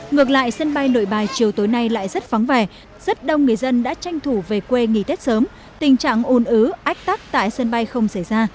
ngược lại sân bay nội bài chiều tối nay lại rất phóng vẻ rất đông người dân đã tranh thủ về quê nghỉ tết sớm tình trạng ồn ứ ách tắc tại sân bay không xảy ra